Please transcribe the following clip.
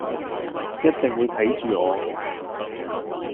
一定會睇住我